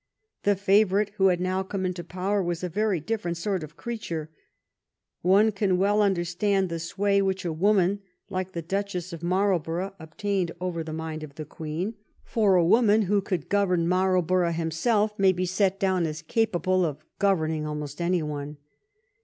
The favorite who had now come into power was a very different sort of creature. One can well understand the sway which a woman like the Duchess of Marlborough obtained over the mind of the Queen, for a woman who could govern Marlborough himself may be set down as capable of governing almost any one.